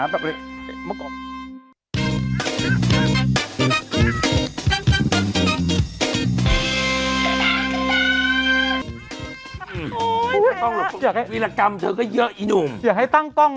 อุ้ยต้องเหรอเทือกีโลกรรมเธอก็เยอะไอ้หนุ่มอยากให้ตั้งกล้อง